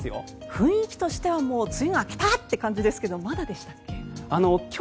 雰囲気としてはもう梅雨が明けたという感じですがまだでしたっけ？